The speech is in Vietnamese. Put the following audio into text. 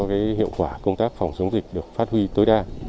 cái hiệu quả công tác phòng chống dịch được phát huy tối đa